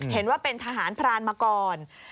เห็นว่าเป็นทหารพรานมาก่อน